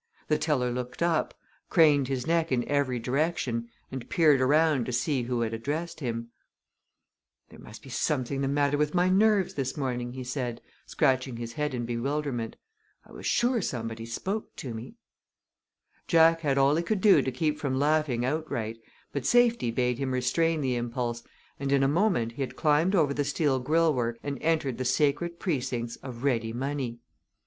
The teller looked up, craned his neck in every direction, and peered around to see who had addressed him. [Illustration: "THERE MUST BE SOMETHING THE MATTER WITH MY NERVES"] "There must be something the matter with my nerves this morning," he said, scratching his head in bewilderment. "I was sure somebody spoke to me." Jack had all he could do to keep from laughing outright, but safety bade him restrain the impulse, and in a moment he had climbed over the steel grillwork and entered the sacred precincts of Ready Money.